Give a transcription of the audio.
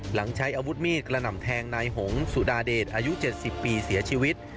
ใช้อาวุธมีดกระหน่ำแทงนายหงสุดาเดชอายุ๗๐ปีเสียชีวิต